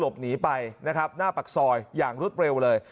หลบหนีไปนะครับหน้าปากซอยอย่างรวดเร็วเลย